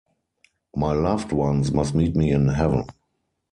My loved ones must meet me in heaven.